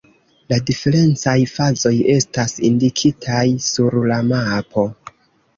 La diferencaj fazoj estas indikitaj sur la mapo.